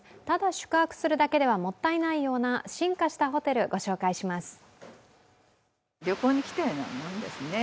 ただ宿泊するだけではもったいないような進化したホテル、ご紹介します。